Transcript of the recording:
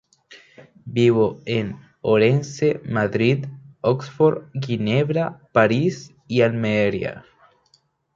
Vivió en Orense, Madrid, Oxford, Ginebra, París y Almería.